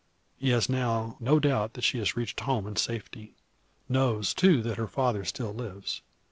He has now no doubt that she has reached home in safety; knows, too, that her father still lives.